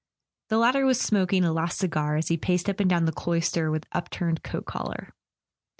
The latter was smoking a last cigar as he paced up and down the cloister with upturned coat collar.